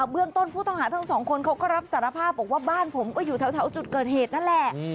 เบื้องต้นผู้ต้องหาทั้งสองคนเขาก็รับสารภาพบอกว่าบ้านผมก็อยู่แถวจุดเกิดเหตุนั่นแหละ